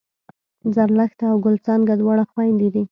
زرلښته او ګل څانګه دواړه خوېندې دي